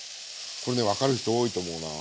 これね分かる人多いと思うな。